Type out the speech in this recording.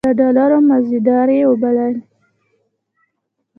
د ډالرو مزدورۍ وبللې.